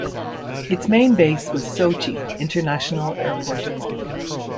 Its main base was Sochi International Airport.